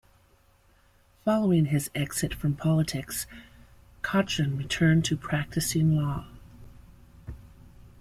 Following his exit from politics Cauchon returned to practicing law.